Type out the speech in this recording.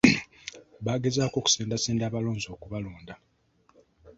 Bagezaako okusendasenda abalonzi okubalonda.